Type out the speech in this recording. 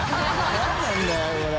何なんだよこれ。